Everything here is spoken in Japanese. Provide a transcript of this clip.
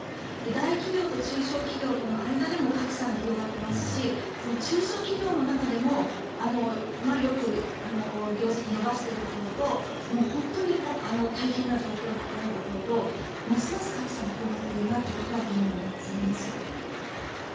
大企業と中小企業との間でも格差が広がっていますし中小企業の中でもよく業績を伸ばしているところと本当に大変な状況であるところとますます格差が広がっているなというところは懸念されます。